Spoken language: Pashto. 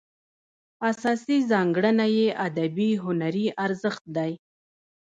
اساسي ځانګړنه یې ادبي هنري ارزښت دی.